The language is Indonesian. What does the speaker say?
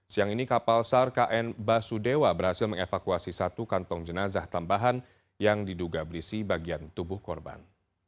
siang ini kapal sar kn basudewa berhasil mengevakuasi satu kantong jenazah tambahan yang diduga berisi bagian tubuh korban